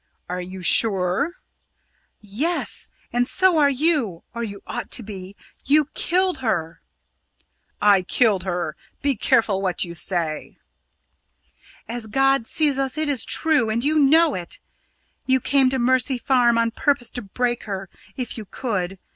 "Are you sure?" "Yes and so are you or you ought to be. You killed her!" "I killed her! Be careful what you say!" "As God sees us, it is true; and you know it. You came to Mercy Farm on purpose to break her if you could.